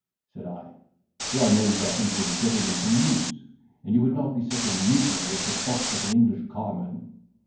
said I; 'here are no weapons that a gentleman can use, and you would not be such a negro as to box like an English carman.